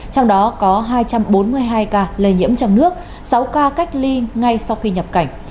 trong đó có hai trăm bốn mươi hai ca lây nhiễm trong nước sáu ca cách ly ngay sau khi nhập cảnh